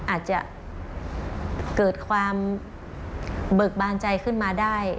อาจจะเกิดความเบิกบานใจขึ้นมาได้